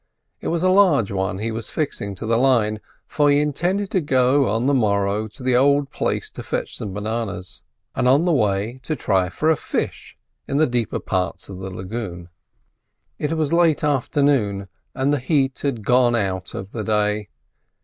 It was a large one he was fixing to the line, for he intended going on the morrow to the old place to fetch some bananas, and on the way to try for a fish in the deeper parts of the lagoon. It was late afternoon, and the heat had gone out of the day.